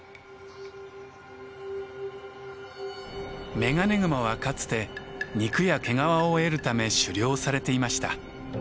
メガネグマはかつて肉や毛皮を得るため狩猟されていました。